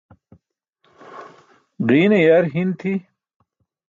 Ġiine yar hiṅ tʰi.